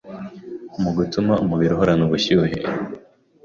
mu gutuma umubiri uhorana ubushyuhe